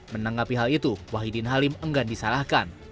menanggapi hal itu wahidin halim enggan disalahkan